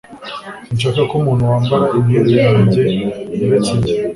Sinshaka ko umuntu wambara imyenda yanjye uretse njye